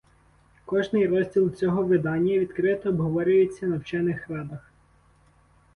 Кожний розділ цього видання відкрито обговорюється на вчених радах.